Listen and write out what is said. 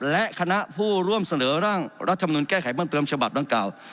และคณะผู้ร่วมเสนอร่างรัฐมนุนแก้ไขเพิ่มเติมฉบับดังกล่าว